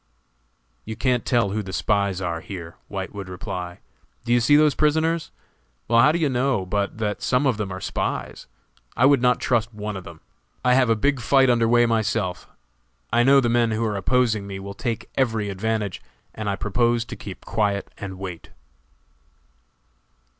"You can't tell who the spies are here," White would reply, "do you see those prisoners? well, how do you know but that some of them are spies? I would not trust one of them. I have a big fight under way myself; I know the men who are opposing me will take every advantage, and I propose to keep quiet and wait."